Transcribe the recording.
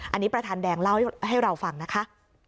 อันนี้ประธานแดงเล่าให้เราฟังนะคะ